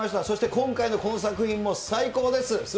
そして今回のこの作品も最高です。